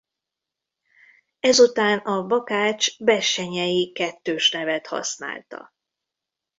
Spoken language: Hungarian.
Ezután a Bakách-Bessenyey kettős nevet használta.